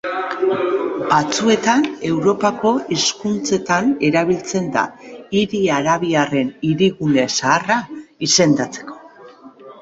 Batzuetan Europako hizkuntzetan erabiltzen da, hiri arabiarren hirigune zaharra izendatzeko.